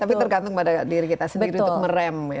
tapi tergantung pada diri kita sendiri untuk merem ya